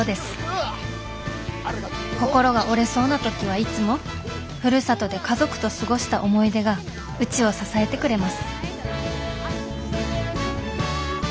心が折れそうな時はいつもふるさとで家族と過ごした思い出がうちを支えてくれます